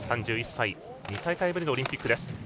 ３１歳２大会ぶりのオリンピックです。